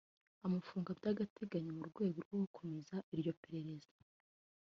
amufunga by’agateganyo mu rwego rwo gukomeza iryo perereza